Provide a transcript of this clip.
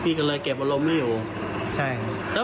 พี่ก็เลยเก็บอารมณ์ไม่อยู่